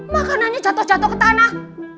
makanannya jatuh jatuh ke tanah